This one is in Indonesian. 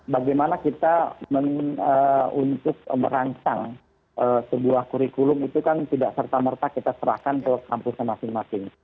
bagaimana kita untuk merancang sebuah kurikulum itu kan tidak serta merta kita serahkan ke kampusnya masing masing